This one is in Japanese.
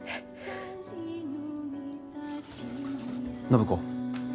暢子。